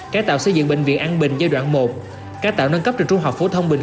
cải tạo xây dựng bệnh viện an bình giai đoạn một cải tạo nâng cấp trường trung học phổ thông bình